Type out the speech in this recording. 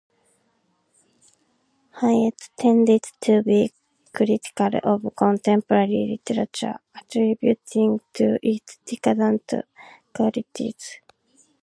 Highet tended to be critical of contemporary literature, attributing to it decadent qualities.